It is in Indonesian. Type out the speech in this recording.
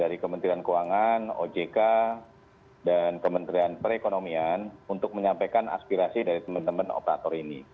dari kementerian keuangan ojk dan kementerian perekonomian untuk menyampaikan aspirasi dari teman teman operator ini